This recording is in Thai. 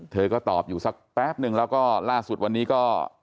เธอก็ตอบอยู่สักแป๊บนึงแล้วก็ล่าสุดวันนี้ก็